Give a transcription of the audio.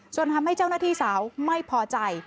ทำให้เจ้าหน้าที่สาวไม่พอใจ